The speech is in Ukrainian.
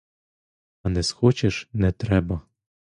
А не схочеш — не треба.